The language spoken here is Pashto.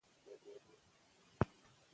سوله د ټولنې د ثبات نښه ده